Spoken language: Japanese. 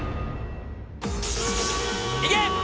いけ！